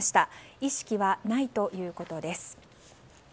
意識はないということです。